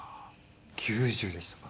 ９０でしたか。